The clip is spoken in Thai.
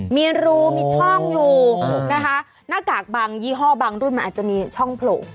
มีรูมีช่องอยู่นะคะหน้ากากบางยี่ห้อบางรุ่นมันอาจจะมีช่องโผล่